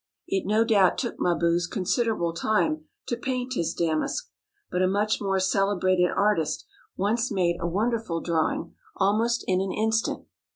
It no doubt took Mabuse considerable time to paint his damask, but a much more celebrated artist once made a wonderful drawing almost in an instant.